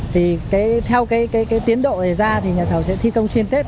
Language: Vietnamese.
theo tiến độ này ra nhà thầu sẽ thi công xuyên tết